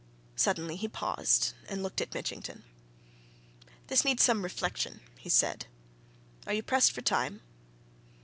Suddenly he paused and looked at Mitchington. "This needs some reflection," he said. "Are you pressed for time?"